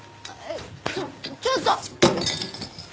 ちょっちょっと！